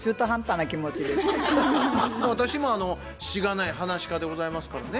私もしがないはなし家でございますからね。